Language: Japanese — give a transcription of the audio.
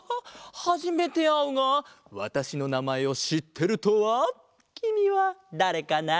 はじめてあうがわたしのなまえをしってるとはきみはだれかな？